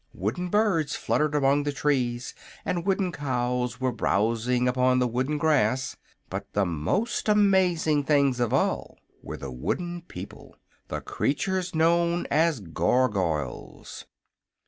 Wooden birds fluttered among the trees and wooden cows were browsing upon the wooden grass; but the most amazing things of all were the wooden people the creatures known as Gargoyles.